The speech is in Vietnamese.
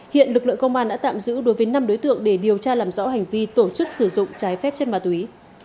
hiện lực lượng công an đã tạm giữ đối với năm đối tượng để điều tra làm rõ hành vi tổ chức sử dụng trái phép chất ma túy